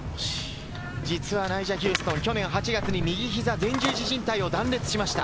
実はナイジャ・ヒューストン、去年８月に右膝前十字靭帯を断裂しました。